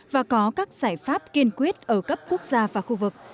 và có các giải pháp kiên quyết ở cấp quốc gia và khu vực